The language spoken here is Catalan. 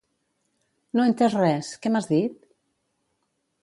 No he entès res; què m'has dit?